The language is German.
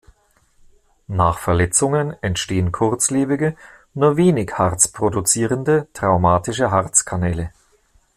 Nach Verletzungen entstehen kurzlebige, nur wenig Harz produzierende, traumatische Harzkanäle.